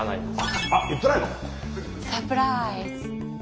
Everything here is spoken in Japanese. サプライズ！